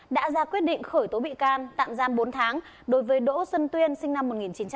đã ra quyết định khởi tố bị can tạm giam bốn tháng đối với đỗ xuân tuyên sinh năm một nghìn chín trăm tám mươi